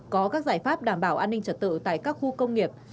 có các giải pháp đảm bảo an ninh trật tự tại các khu công nghiệp